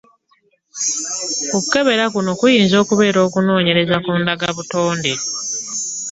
Okukebera kuno kuyinza okuba okw’okunoonyereza ku ndagabutonde.